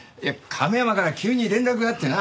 亀山から急に連絡があってな。